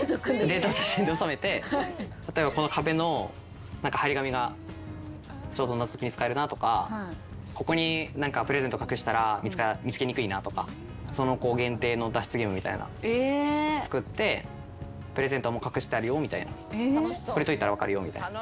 データを写真で収めて例えばこの壁の張り紙がちょうど謎解きに使えるなとかここにプレゼント隠したら見つけにくいなとかその子限定の脱出ゲームみたいな作ってプレゼント隠してあるよみたいなこれ解いたら分かるよみたいな。